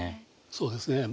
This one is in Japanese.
そうですね。